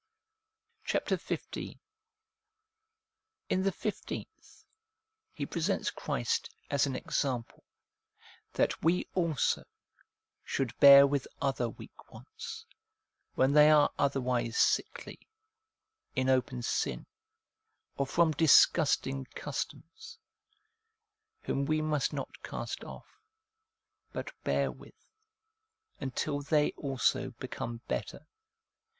346 APPENDIX Chapter XV. In the fifteenth, he presents Christ as an example, that we also should bear with other weak ones, when they are otherwise sickly, in open sin or from disgusting customs ; whom we must not cast off, but bear with, until they also become better.